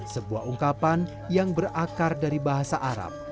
sebuah ungkapan yang berakar dari bahasa arab